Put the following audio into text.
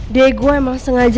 dia gue emang sengaja